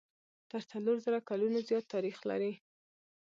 تر څلور زره کلونو زیات تاریخ لري.